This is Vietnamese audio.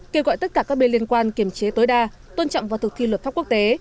kêu gọi tất cả các bên liên quan kiểm chế tối đa tôn trọng vào thực thi luật pháp quốc tế